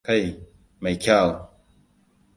Kai, mai kyau!